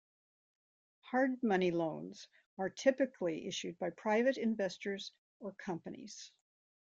Hard money loans are typically issued by private investors or companies.